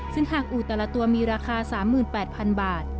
ซึ่งทางอู่แต่ละตัวมีราคา๓๘๐๐๐บาท